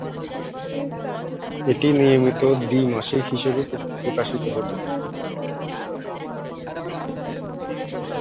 এটি নিয়মিত দ্বি মাসিক হিসেবে প্রকাশিত হত।